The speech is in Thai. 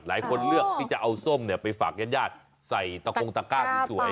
หลายคนเลือกที่จะเอาส้มไปฝากญาติใส่ตะคงตะก้าสวย